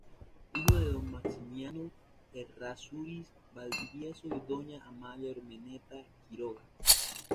Hijo de don Maximiano Errázuriz Valdivieso y doña "Amalia Urmeneta Quiroga".